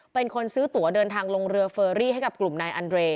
เป็นคนซื้อตัวเดินทางลงเรือเฟอรี่ให้กับกลุ่มนายอันเรย์